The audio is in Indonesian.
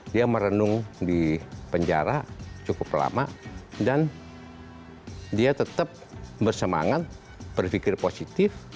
dia merenung di penjara cukup lama dan dia tetap bersemangat berpikir positif